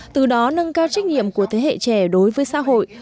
từ đó nâng cao trách nhiệm của thế hệ trẻ đối với xã hội